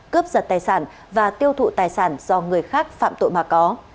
cướp giật tài sản và tiêu thụ tài sản do người khác phạm tội mà có